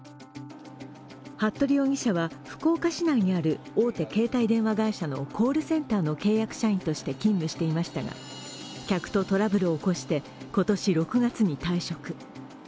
服部容疑者は福岡市内にある大手携帯電話会社のコールセンターの契約社員として勤務していましたが、客とトラブルを起こして今年６月に退職。